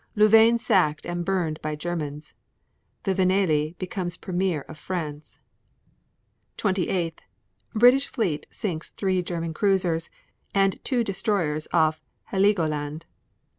Louvain sacked and burned by Germans. Viviani becomes premier of France. 28. British fleet sinks three German cruisers and two destroyers off Heligoland.